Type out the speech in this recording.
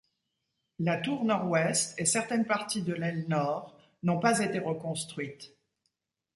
La tour nord-ouest et certaines parties de l'aile nord n'ont pas été reconstruites.